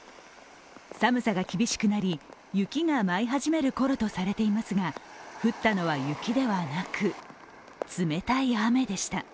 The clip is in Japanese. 寒さが厳しくなり、雪が舞い始めるころとされていますが降ったのは雪ではなく、冷たい雨でした。